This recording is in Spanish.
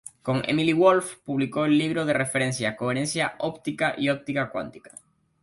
Con Emil Wolf, publicó el libro de referencia "Coherencia Óptica y Óptica Cuántica.